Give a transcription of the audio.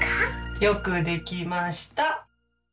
よくできました。